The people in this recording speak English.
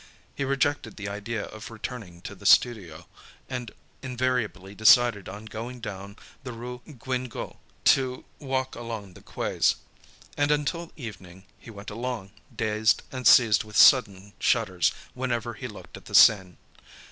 He rejected the idea of returning to the studio, and invariably decided on going down the Rue Guénégaud, to walk along the quays. And, until evening, he went along, dazed and seized with sudden shudders whenever he looked at the Seine.